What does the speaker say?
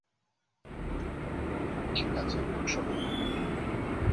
ঠিক আছে, সোনা।